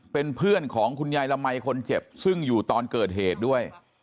เป็นเพื่อนของคุณยายละมัยคนเจ็บซึ่งอยู่ตอนเกิดเหตุด้วย